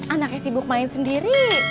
anaknya sibuk main sendiri